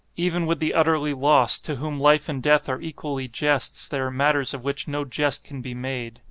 Even with the utterly lost, to whom life and death are equally jests, there are matters of which no jest can be made.